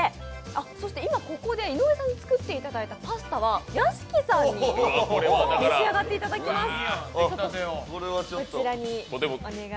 そして今、ここで井上さんに作っていただいたパスタは屋敷さんに召し上がっていただきます。